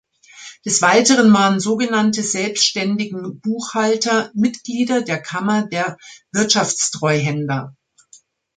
Des Weiteren waren sogenannte selbständigen Buchhalter Mitglieder der Kammer der Wirtschaftstreuhänder.